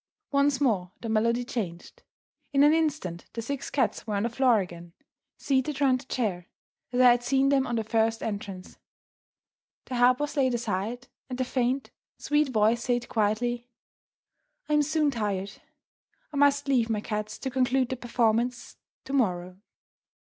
Once more the melody changed. In an instant the six cats were on the floor again, seated round the chair as I had seen them on their first entrance; the harp was laid aside; and the faint, sweet voice said quietly, "I am soon tired I must leave my cats to conclude their performances tomorrow."